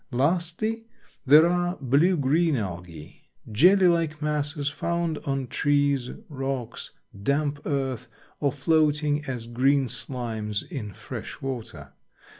Lastly, there are blue green Algae, jelly like masses found on trees, rocks, damp earth or floating as green slimes in fresh water.